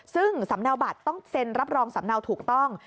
ซึ่งสำเนาบัตรต้องเซ็นรับรองสำเนาถูกต้อง